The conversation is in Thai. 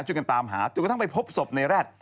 ช่วยกันตามหาถึงกระทั่งไปพบสบนายแรด